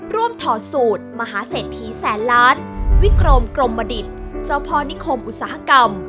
ถอดสูตรมหาเศรษฐีแสนล้านวิกรมกรมดิตเจ้าพ่อนิคมอุตสาหกรรม